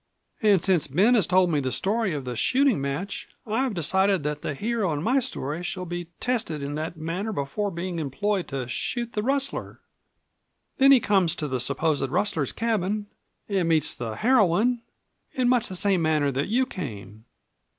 And since Ben has told me the story of the shooting match I have decided that the hero in my story shall be tested in that manner before being employed to shoot the rustler. Then he comes to the supposed rustler's cabin and meets the heroine, in much the same manner that you came.